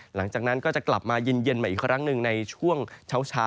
หลังจากนั้นก็จะกลับมาเย็นใหม่อีกครั้งหนึ่งในช่วงเช้า